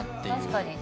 確かに。